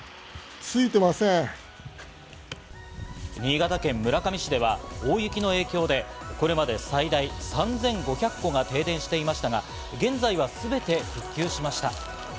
新潟県村上市では大雪の影響で、これまで最大３５００戸が停電していましたが、現在はすべて復旧しました。